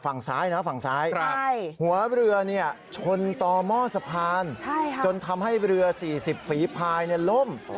ฝั่งซ้ายนะฝั่งซ้ายหัวเรือชนต่อหม้อสะพานจนทำให้เรือ๔๐ฝีภายล่ม